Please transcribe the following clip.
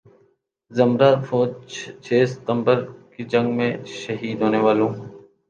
ذمرہ فوج چھ ستمبر کی جنگ میں شہید ہونے والوں